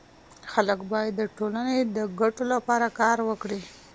خلګ باید د ټولني د ګټو لپاره کار وکړي.